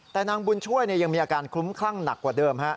แต่นางบุญช่วยยังมีอาการคลุ้มคลั่งหนักกว่าเดิม